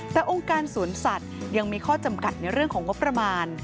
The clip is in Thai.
แต่องค์การสวนสัตว์ยังมีข้อจำกัดในเรื่องของงบประมาณ